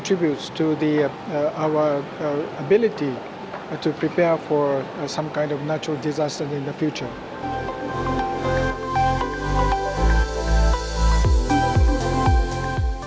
dan itu membawa kemampuan kita untuk menyiapkan untuk sesuatu yang berbeda di masa depan